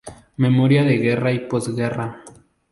Memoria de guerra y posguerra".